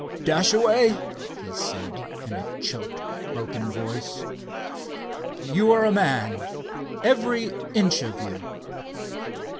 "Dashaway," he said, in a choked, broken voice; "you're a man, every inch of you!"